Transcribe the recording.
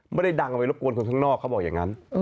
ไม่ได้ดังไว้รบกวนของทางนอกเขาบอกยังงั้น